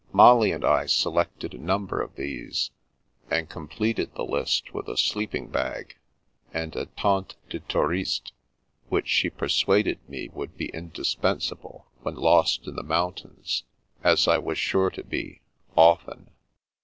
Molly and I selected a number of these, and com pleted the list with a sleeping bag and a tente de touriste, which she persuaded me would be indispen sable when lost in the mountains, as I was sure to be, often.